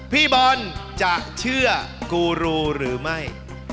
พี่บอลจะเชื่อกูรูหรือไม่